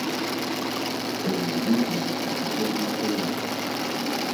Што мы любім, а што не трываем?